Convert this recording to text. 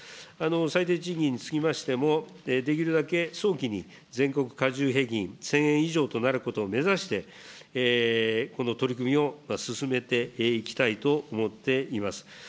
最低賃金につきましても、できるだけ早期に全国加重平均１０００円以上となることを目指して、この取り組みを進めていきたいと思っています。